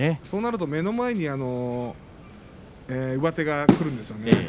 そうなると目の前に上手がくるんですよね。